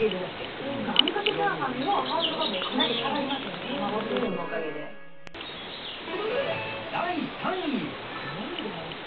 あんかけチャーハンのハードルがかなり下がりますね、卵スー第３位。